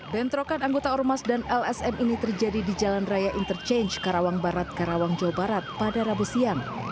bentrokan anggota ormas dan lsm ini terjadi di jalan raya interchange karawang barat karawang jawa barat pada rabu siang